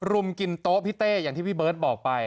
รุมกินโต๊ะพี่เต้อย่างที่พี่เบิร์ตบอกไป